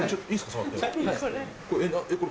触って。